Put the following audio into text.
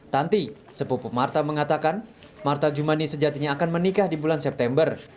tanti sepupu marta mengatakan marta jumani sejatinya akan menikah di bulan september